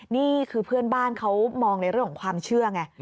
นี่คือเพื่อนบ้านเขามองในเรื่องของความเชื่อไง